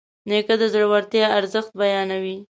نیکه د زړورتیا ارزښت بیانوي.